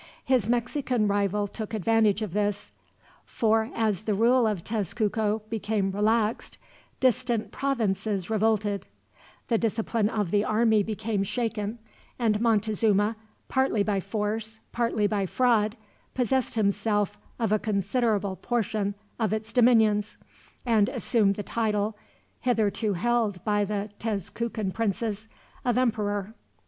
His Mexican rival took advantage of this, for as the rule of Tezcuco became relaxed distant provinces revolted, the discipline of the army became shaken, and Montezuma, partly by force, partly by fraud, possessed himself of a considerable portion of its dominions, and assumed the title, hitherto held by the Tezcucan princes, of Emperor.